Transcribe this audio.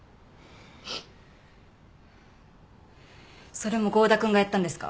それも合田君がやったんですか？